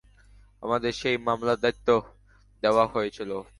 আমাদের সেই মামলার দায়িত্ব দেওয়া হয়েছিল।